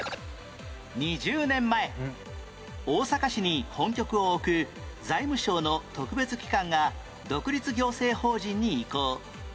２０年前大阪市に本局を置く財務省の特別機関が独立行政法人に移行